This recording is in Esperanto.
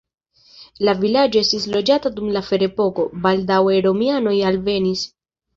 La vilaĝo estis loĝata dum la ferepoko, baldaŭe romianoj alvenis.